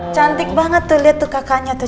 cantik banget tuh lihat tuh kakaknya tuh